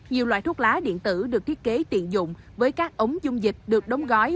nhiều loại thuốc lá điện tử được thiết kế tiện dụng với các ống dung dịch được đóng gói